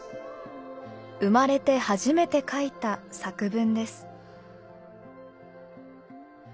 生まれて初めて書いた作文です。